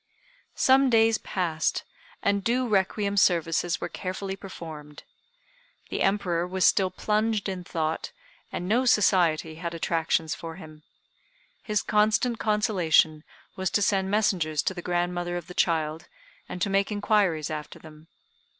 Some days passed, and due requiem services were carefully performed. The Emperor was still plunged in thought, and no society had attractions for him. His constant consolation was to send messengers to the grandmother of the child, and to make inquiries after them.